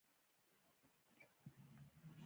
قاتل دې یې د جهنم میلمه شي، هغه ښه سندرغاړی وو.